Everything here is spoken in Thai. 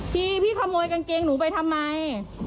พี่พี่ขโมยกางเกงหนูไปทำไม